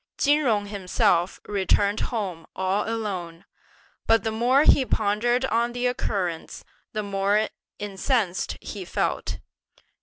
Chin Jung himself returned home all alone, but the more he pondered on the occurrence, the more incensed he felt.